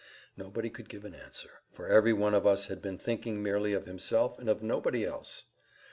Nobody could give an answer, for every one of us had been thinking merely of himself and of nobody else.